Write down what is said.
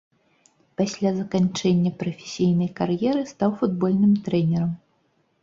Пасля заканчэння прафесійнай кар'еры стаў футбольным трэнерам.